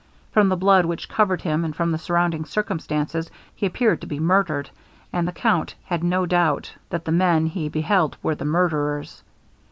From the blood which covered him, and from the surrounding circumstances, he appeared to be murdered; and the count had no doubt that the men he beheld were the murderers.